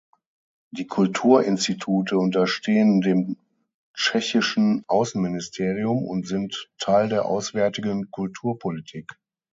Die Kulturinstitute unterstehen dem tschechischen Außenministerium und sind Teil der auswärtigen Kulturpolitik.